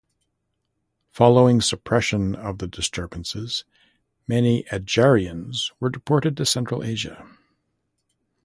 Following suppression of the disturbances, many Adjarians were deported to Central Asia.